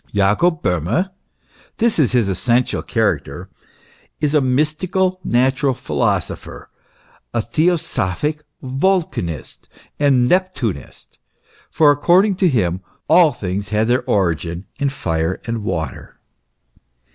Jacob Bohme this is his essential character is a mystical natural philoso pher, a theosophic Vulcanist and Neptunist,* for according to him, " all things had their origin in fire and water."